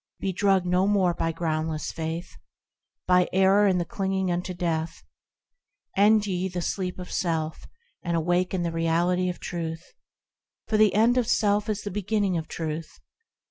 Be drugged no more by groundless faith, By error, and the clinging unto death ! End ye the sleep of self, and awake in the Reality of Truth ! For the end of self is the beginning of Truth.